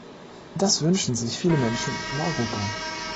Das wünschen sich viele Menschen in Europa.